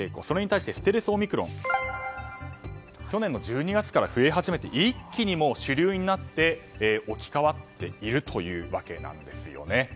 それに対しステルスオミクロンは去年の１２月から増え始めて一気に主流になって置き換わっているわけなんですね。